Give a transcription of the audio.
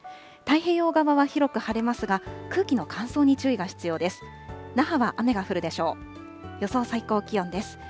太平洋側は広く晴れますが、空気の乾燥に注意が必要です。